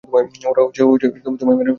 ওরা তোমায় মেরে ফেলবে।